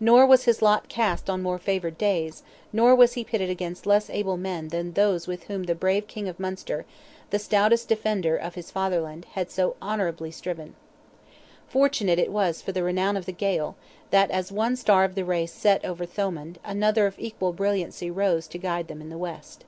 Nor was his lot cast on more favoured days, nor was he pitted against less able men than those with whom the brave King of Munster—the stoutest defender of his fatherland—had so honourably striven. Fortunate it was for the renown of the Gael, that as one star of the race set over Thomond, another of equal brilliancy rose to guide them in the west.